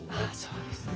そうですね。